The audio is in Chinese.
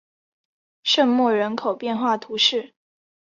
圣莫人口变化图示